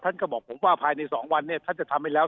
ท่านก็บอกผมว่าภายใน๒วันเนี่ยท่านจะทำให้แล้ว